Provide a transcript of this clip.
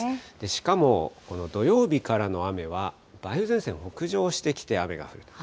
しかも、この土曜日からの雨は、梅雨前線北上してきて雨が降ると。